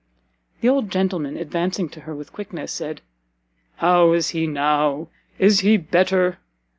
The old gentleman, advancing to her with quickness, said, "How is he now? Is he better?